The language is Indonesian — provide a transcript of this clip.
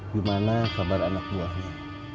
gimana kabar anak buahnya